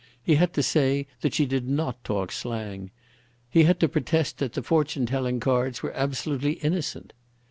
He had to say that she did not talk slang. He had to protest that the fortune telling cards were absolutely innocent.